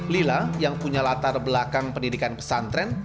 lila yang punya latar belakang pendidikan pesantren